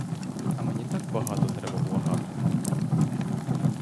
А мені так багато треба благати!